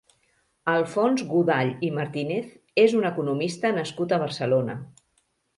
Alfons Godall i Martínez és un economista nascut a Barcelona.